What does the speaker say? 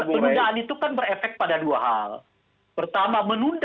boleh bisa pelaksanaan pemilu